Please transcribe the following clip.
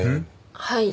はい。